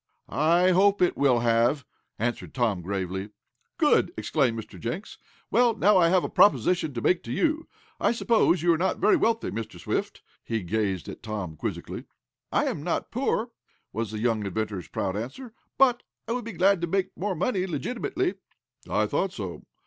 "I hope it will have," answered Tom, gravely. "Good!" exclaimed Mr. Jenks. "Well, now I have a proposition to make to you. I suppose you are not very wealthy, Mr. Swift?" He gazed at Tom, quizzically. "I am not poor," was the young inventor's proud answer, "but I would be glad to make more money legitimately." "I thought so.